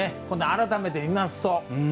改めて見ますと。